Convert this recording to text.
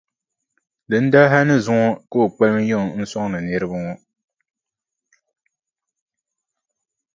Dindali hali ni zuŋɔ ka o kpalim yiŋa n-sɔŋdi niriba ŋɔ.